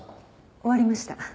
終わりました。